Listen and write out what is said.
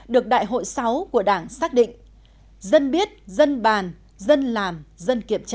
được đại hội sáu của đảng xác định dân biết dân bàn dân làm dân kiểm tra